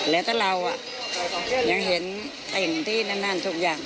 แล้วถ้าเรายังเห็นแต่งที่นั่นทุกอย่าง